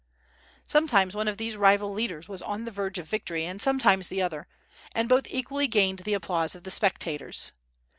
Sometimes one of these rival leaders was on the verge of victory and sometimes the other, and both equally gained the applause of the spectators.